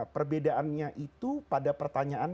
perbedaannya itu pada pertanyaan